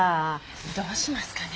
どうしますかね。